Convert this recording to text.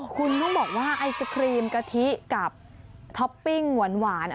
คุณต้องบอกว่าไอศครีมกะทิกับท็อปปิ้งหวาน